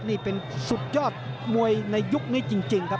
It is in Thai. นี่เป็นสุดยอดมวยในยุคนี้จริงครับ